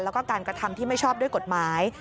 แล้วก็การกระทำที่ไม่ชอบด้วยกฎหมาย